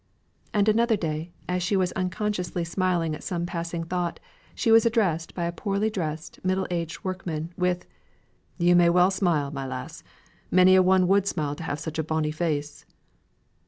And another day, as she was unconsciously smiling at some passing thought, she was addressed by a poorly dressed, middle aged workman, with, "You may well smile, my lass; many a one would smile to have such a bonny face."